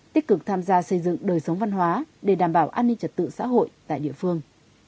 tích cực tham gia xây dựng đời sống văn hóa để đảm bảo an ninh trật tự xã hội tại địa phương